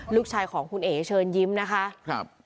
ลูกชายของคุณเอ๋เชิญยิ้มนะคะครับ